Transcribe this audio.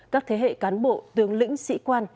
các thế hệ cán bộ tướng lĩnh sĩ quan